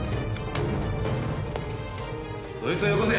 そいつをよこせ！